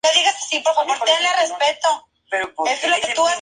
Estamos todos en la sala y escribimos las canciones.